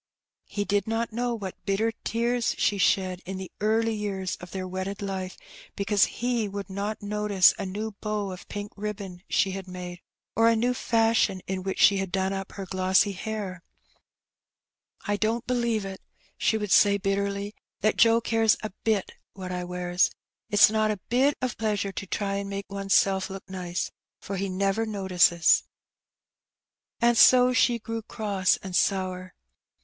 He did not know what bitter tears she shed in the early years of their wedded life, because he would not notice a new bow of pink ribbon she had made, or a new fashion in which she had done up her glossy hair. 176 Her Benny. " I don't believe/' she would say bitterly, '^ that Joe cares a bit what I wears. It's not a bit of pleasure to try an' make oneself look nice, for he never notices." And so she grew cross and sour.